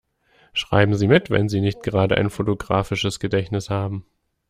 Schreiben Sie mit, wenn Sie nicht gerade ein fotografisches Gedächtnis haben.